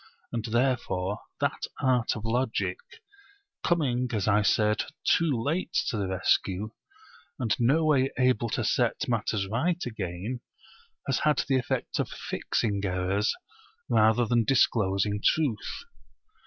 And therefore that art of Logic, coming (as I said) too late to the rescue, and no way able to set matters right again, has had the effect of fixing errors rather than disclosing truth.